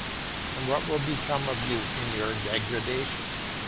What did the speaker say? And what will become of you in your degradation?